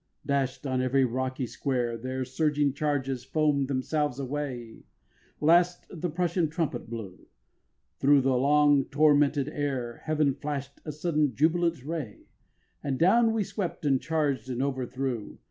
Dash'd on every rocky square Their surging charges foam'd themselves away; Last, the Prussian trumpet blew; Thro' the long tormented air Heaven flash'd a sudden jubilant ray, And down we swept and charged and overthrew.